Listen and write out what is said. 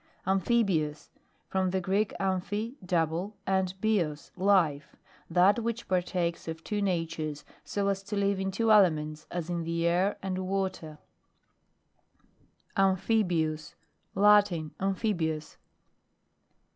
AMPHIBIOUS. From the Greek am phi double, and bios, life That which partakes of two natures, so as to live in two elements ; as in the air and water. 138 MAM MALOGY: GLOSS ARY . AMPHIBIUS. Latin. Amphibious.